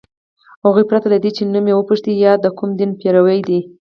هغوی پرته له دې چي نوم یې وپوښتي یا د کوم دین پیروۍ ده